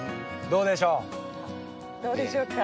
どうでしょうか。